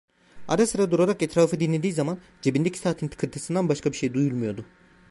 Ara sıra durarak etrafı dinlediği zaman, cebindeki saatin tıkırtısından başka şey duyulmuyordu…